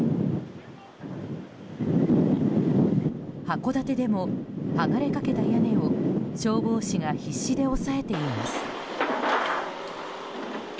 函館でも剥がれかけた屋根を消防士が必死で押さえています。